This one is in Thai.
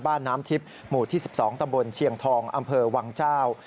น้ำทิพย์หมู่ที่๑๒ตำบลเชียงทองอำเภอวังเจ้า